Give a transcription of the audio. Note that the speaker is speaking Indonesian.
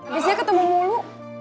habisnya ketemu mulu